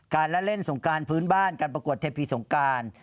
ละเล่นสงการพื้นบ้านการประกวดเทพีสงการ